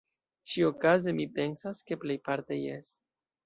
Ĉi-okaze mi pensas, ke plejparte jes.